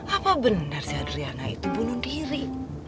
apa bener sih adriana itu bunuh diri